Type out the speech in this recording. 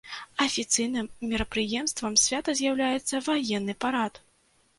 Афіцыйным мерапрыемствам свята з'яўляецца ваенны парад.